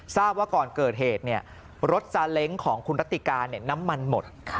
ทราบว่าก่อนเกิดเหตุรถซาเล้งของคุณรัติการน้ำมันหมด